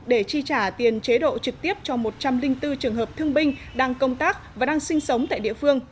để chi trả tiền chế độ trực tiếp cho một trăm linh bốn trường hợp thương binh đang công tác và đang sinh sống tại địa phương